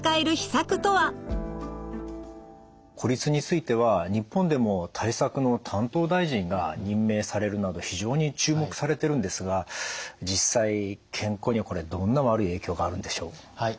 孤立については日本でも対策の担当大臣が任命されるなど非常に注目されてるんですが実際健康にはこれどんな悪い影響があるんでしょう？